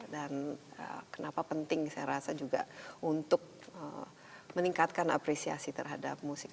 dan kenapa penting saya rasa juga untuk meningkatkan apresiasi terhadap musik